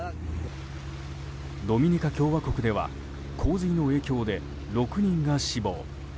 ドミニカ共和国では洪水の影響で６人が死亡。